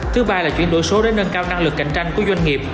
thứ ba là chuyển đổi số để nâng cao năng lực cạnh tranh của doanh nghiệp